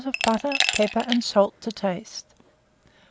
of butter, pepper and salt to taste.